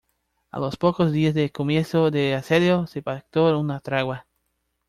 A los pocos días del comienzo del asedio, se pactó una tregua.